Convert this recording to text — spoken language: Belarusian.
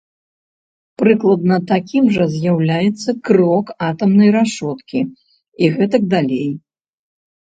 Прыкладна такім жа з'яўляецца крок атамнай рашоткі і гэтак далей.